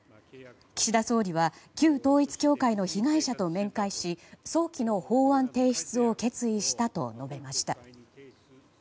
岸田総理は旧統一教会の被害者と面会し早期の法案提出を決意したと述べました。